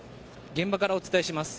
現場からお伝えします。